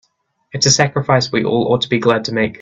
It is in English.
It's a sacrifice we all ought to be glad to make.